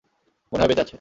মনে হয় বেঁচে আছে।